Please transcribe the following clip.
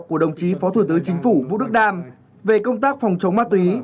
của đồng chí phó thủ tướng chính phủ vũ đức đam về công tác phòng chống ma túy